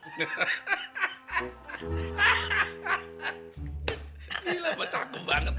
gila mbak cakup banget